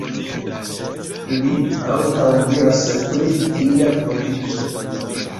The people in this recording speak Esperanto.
Li ankaŭ diras pri Dia Providenco.